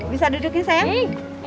bisa duduk ya sayang